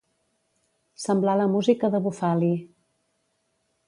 Semblar la música de Bufali.